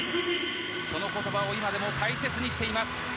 その言葉を今でも大切にしています。